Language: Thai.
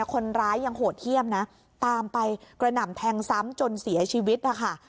คนร้ายยังโหดเยี่ยมนะตามไปกระหน่ำแทงซ้ำจนเสียชีวิตนะคะ